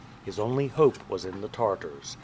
His only hope was in the Tartars.